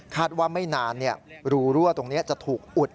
ว่าไม่นานรูรั่วตรงนี้จะถูกอุด